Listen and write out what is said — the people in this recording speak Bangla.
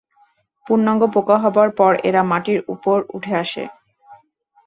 পূর্নাঙ্গ পোকা হবার পর এরা মাটির উপর উঠে আসে।